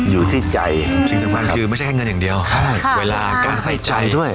คือไม่ใช่แค่เงินอย่างเดียวเวลากซะใจด้วย